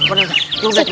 aduh udah udah